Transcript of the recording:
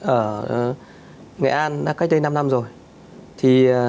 ở nghệ an đã cách đây năm năm rồi